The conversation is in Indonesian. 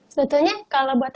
sebetulnya kalo buat